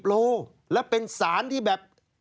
โลแล้วเป็นสารที่แบบ